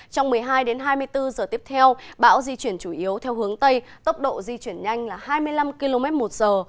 trong một mươi hai đến hai mươi bốn giờ tiếp theo bão di chuyển chủ yếu theo hướng tây tốc độ di chuyển nhanh là hai mươi năm km một giờ